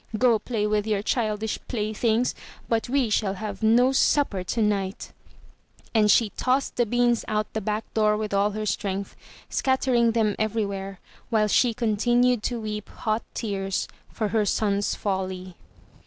Go play with your childish playthings, but we shall have no supper tonight." And she tossed the beans out the back door with all her strength, scattering them everywhere, 372 UP ONE PAIR OF STAIRS while she continued to weep hot tears for her son's folly.